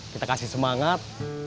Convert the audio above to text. kita kasih semangat